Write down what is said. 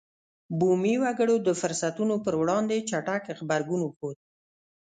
بومي وګړو د فرصتونو پر وړاندې چټک غبرګون وښود.